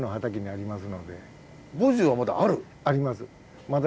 あります。